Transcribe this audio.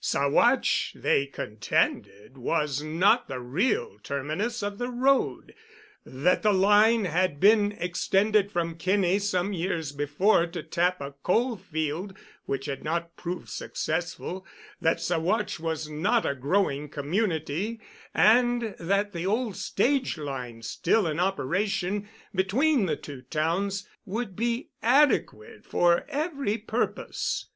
Saguache, they contended, was not the real terminus of the road; that the line had been extended from Kinney some years before to tap a coal field which had not proved successful; that Saguache was not a growing community, and that the old stage line still in operation between the two towns would be adequate for every purpose.